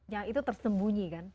ya itu tersembunyi kan